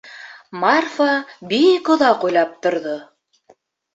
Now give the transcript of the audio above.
Марфа бик оҙаҡ уйлап торҙо.